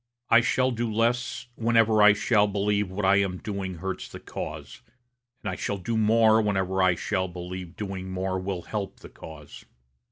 I shall do less whenever I shall believe what I am doing hurts the cause, and I shall do more whenever I shall believe doing more will help the cause.